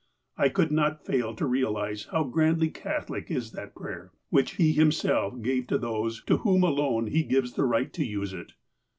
I could not fail to realize how grandly Catholic is that prayer, which He Himself gave to those to whom alone He gives the right to use it.